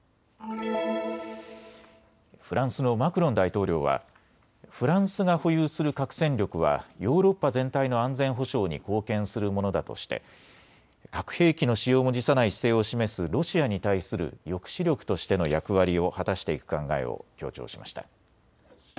フランスのマクロン大統領はフランスが保有する核戦力はヨーロッパ全体の安全保障に貢献するものだとして核兵器の使用も辞さない姿勢を示すロシアに対する抑止力としての役割を果たしていく考えを強調しました。